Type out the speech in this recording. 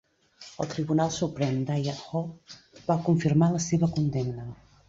El tribunal suprem d'Idaho va confirmar la seva condemna.